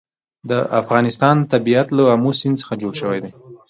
د افغانستان طبیعت له آمو سیند څخه جوړ شوی دی.